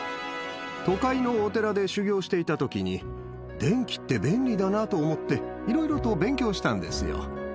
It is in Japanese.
都会のお寺で修行していたときに、電気って便利だなと思って、いろいろと勉強したんですよ。